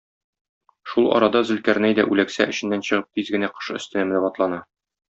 Шул арада Зөлкарнәй дә үләксә эченнән чыгып тиз генә кош өстенә менеп атлана.